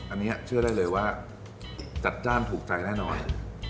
อันนี้เชื่อได้เลยว่าจัดจ้านถูกใจแน่นอน